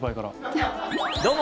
どうも！